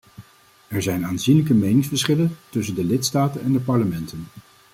Er zijn aanzienlijke meningsverschillen tussen de lidstaten en de parlementen.